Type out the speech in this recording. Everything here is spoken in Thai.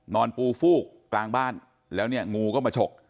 ปูฟูกกลางบ้านแล้วเนี่ยงูก็มาฉก